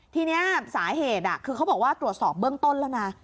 ทีนี้สาเหตุคือเขาบอกว่าตรวจสอบเบื้องต้นแล้วนะ